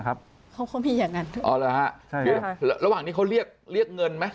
เขามีอย่างนั้นหรือหลังนี้เขาเรียกเข้าเรียกเงินไหม